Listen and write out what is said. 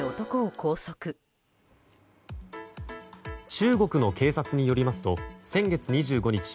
中国の警察によりますと先月２５日